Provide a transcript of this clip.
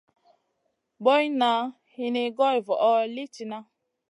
Boyna hini goy voʼo li tihna.